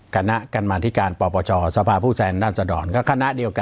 คณะกรรมนาฬิการปปชสภาผู้ใจด้านด้านสะด่อนก็คณะเดียวกัน